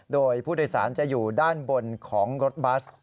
โดยผู้โดยสารจะอยู่ด้านบนของรถบัส